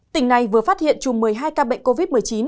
tỉnh này vừa phát hiện chùm một mươi hai ca bệnh covid một mươi chín